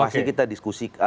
masih kita diskusikan